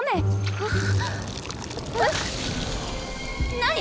あっ。